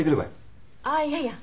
あっいやいや。